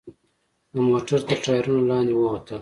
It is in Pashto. د موټر تر ټایرونو لاندې ووتله.